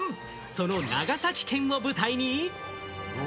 その長崎県を舞台に。